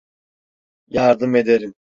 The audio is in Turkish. Yardım ederim.